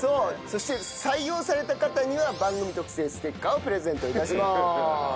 そして採用された方には番組特製ステッカーをプレゼント致します。